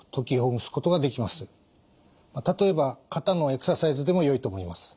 例えば肩のエクササイズでもよいと思います。